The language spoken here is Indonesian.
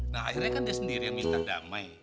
nah akhirnya kan dia sendiri yang minta damai